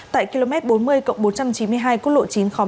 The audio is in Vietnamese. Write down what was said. tại km bốn mươi bốn trăm chín mươi hai quốc lộ chín khóm hai